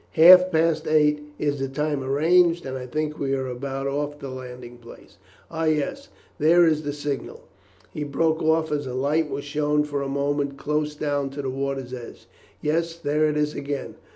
Half past eight is the time arranged, and I think we are about off the landing place. Ah, yes, there is the signal!" he broke off as a light was shown for a moment close down to the water's edge. "Yes, there it is again!